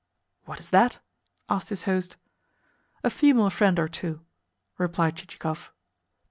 "What is that?" asked his host. "A female friend or two," replied Chichikov.